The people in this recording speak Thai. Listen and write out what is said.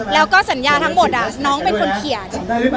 แล้วก็สัญญาทั้งหมดน้องเป็นคนเขียน